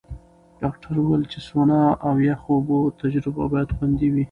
ډاکټره وویل چې سونا او یخو اوبو تجربه باید خوندي وي.